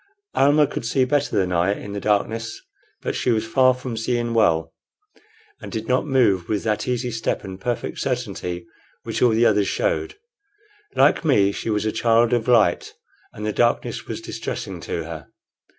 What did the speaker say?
Almah could see better than I in the darkness; but she was far from seeing well, and did not move with that easy step and perfect certainty which all the others showed. Like me, she was a child of light, and the darkness was distressing to her.